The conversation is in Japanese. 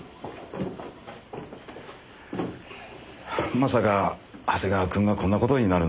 まさか長谷川くんがこんな事になるなんて。